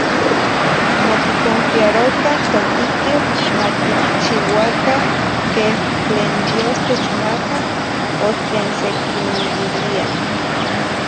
Mo ticonfiarocah n totiquih, ma ticchiuacah, queh tlen n dios techmaca o tlen sequiniuilia.